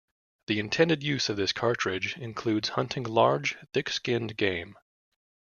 The intended use of this cartridge includes hunting large, thick-skinned game.